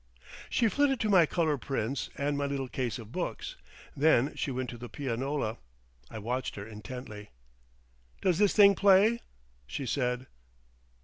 She flitted to my colour prints and my little case of books. Then she went to the pianola. I watched her intently. "Does this thing play?" she said.